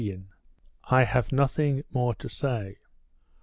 "I HAVE NOTHING MORE TO SAY."